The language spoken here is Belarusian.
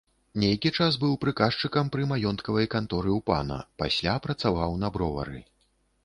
Нейкі час быў прыказчыкам пры маёнткавай канторы ў пана, пасля працаваў на бровары.